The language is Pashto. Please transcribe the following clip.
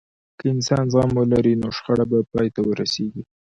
که انسان زغم ولري، نو شخړه به پای ته ورسیږي.